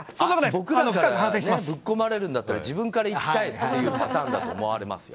僕ら、ぶっこまれるなら自分からいっちゃえっていうパターンだと思われますよ。